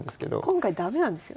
今回駄目なんですよね。